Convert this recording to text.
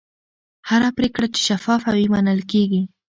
هره پرېکړه چې شفافه وي، منل کېږي.